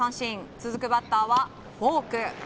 続くバッターはフォーク。